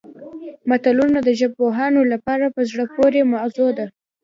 متلونه د ژبپوهانو لپاره په زړه پورې موضوع ده